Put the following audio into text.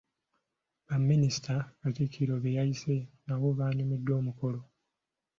Baminisita Katikkiro be yayise nabo baanyumiddwa omukolo.